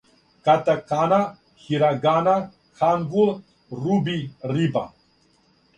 катакана хирагана хангул руби риба